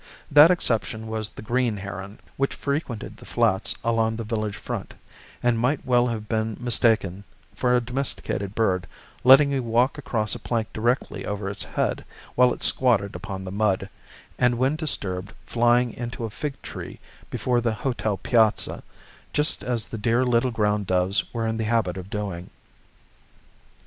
That exception was the green heron, which frequented the flats along the village front, and might well have been mistaken for a domesticated bird; letting you walk across a plank directly over its head while it squatted upon the mud, and when disturbed flying into a fig tree before the hotel piazza, just as the dear little ground doves were in the habit of doing.